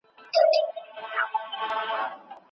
او هيڅ شی نه واقع کوي.